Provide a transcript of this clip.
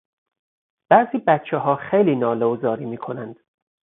بعضی بچهها خیلی ناله و زاری میکنند.